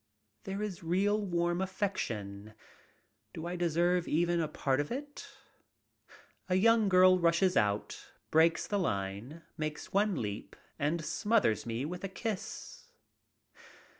There is real warm affection. Do I deserve even a part of it? A young girl rushes out, breaks the line, makes one leap, and smothers me with a kiss.